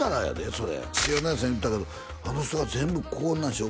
それ塩谷さん言ってたけどあの人が全部「こんなんしよう